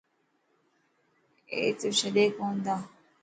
اي ته ڇڏي ڪينا.